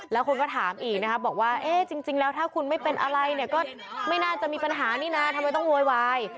แล้วคนก็ถามอีกนะครับบอกว่าเอ๊ะจริงแล้วถ้าคุณไม่เป็นอะไรเนี่ยก็ไม่น่าจะมีปัญหานี่นะทำไมต้องโวยวาย